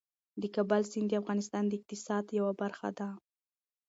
د کابل سیند د افغانستان د اقتصاد یوه برخه ده.